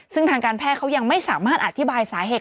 ซึ่งทางการแพทย์เขายังไม่สามารถอธิบายสาเหตุ